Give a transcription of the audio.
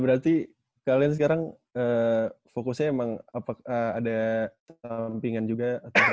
berarti kalian sekarang fokusnya emang apakah ada tampingan juga